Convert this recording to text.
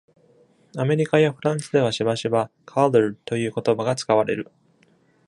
アメリカやフランスではしばしば「collared」という言葉が使われる。